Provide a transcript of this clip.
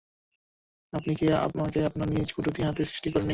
আপনি কি আমাকে আপনার নিজ কুদরতী হাতে সৃষ্টি করেননি?